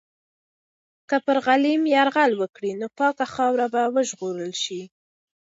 که پر غلیم یرغل وکړي، نو پاکه خاوره به وژغورل سي.